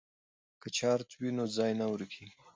که چارت وي نو ځای نه ورکیږي.